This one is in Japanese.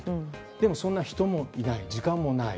でも、そんな人もいない時間もない。